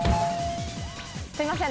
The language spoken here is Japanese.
すいません。